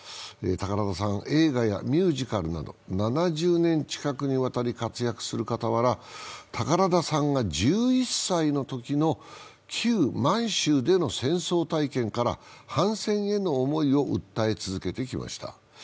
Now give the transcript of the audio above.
宝田さん、映画やミュージカルなど７０年近くにわたり活躍するかたわら、宝田さんが１１歳のときの旧満州での戦争体験から反戦への思いを訴え続けてきました。